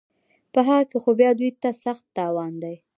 په هغه کې خو بیا دوی ته سخت تاوان دی